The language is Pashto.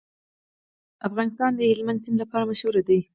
افغانستان د هلمند سیند لپاره مشهور دی.